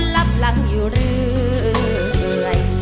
รับรังอยู่เลย